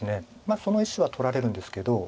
その石は取られるんですけど。